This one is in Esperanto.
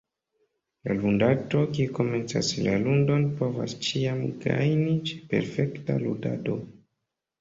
La ludanto, kiu komencas la ludon povas ĉiam gajni ĉe perfekta ludado.